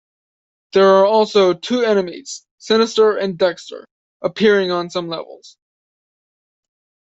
There are also two enemies, Sinister and Dexter, appearing on some levels.